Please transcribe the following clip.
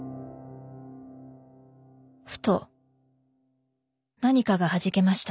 ふと何かがはじけました。